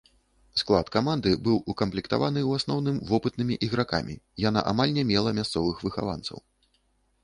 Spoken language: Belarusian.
Склад каманды быў укамплектаваны ў асноўным вопытнымі ігракамі, яна амаль не мела мясцовых выхаванцаў.